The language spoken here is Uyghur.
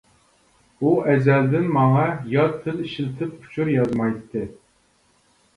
ئۇ ئەزەلدىن ماڭا يات تىل ئىشلىتىپ ئۇچۇر يازمايتتى.